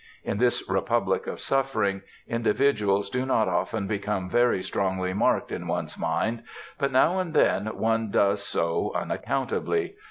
In this republic of suffering, individuals do not often become very strongly marked in one's mind, but now and then one does so unaccountably.